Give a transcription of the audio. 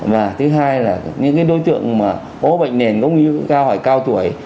và thứ hai là những cái đối tượng mà có bệnh nền cũng như cao hỏi cao tuổi